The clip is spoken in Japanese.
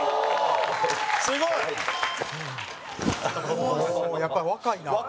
蛍原：やっぱり、若いな。